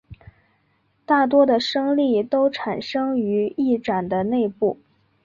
大多的升力都产生于翼展的内部。